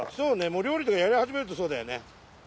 うねもう料理とかやり始めるとそうだよね。